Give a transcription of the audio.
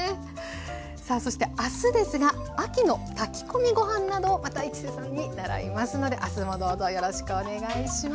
さあそして明日ですが秋の炊き込みご飯などをまた市瀬さんに習いますので明日もどうぞよろしくお願いします。